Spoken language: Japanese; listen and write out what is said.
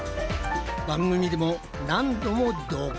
番組でも何度も同行。